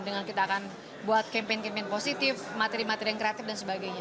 dengan kita akan buat campaign campaign positif materi materi yang kreatif dan sebagainya